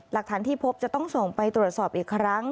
หลักฐานที่พบจะต้องส่งไปตรวจสอบอีกครั้ง